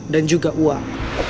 dan juga uak